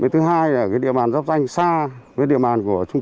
thứ hai là cái địa bàn giáp danh xa với địa bàn của chúng ta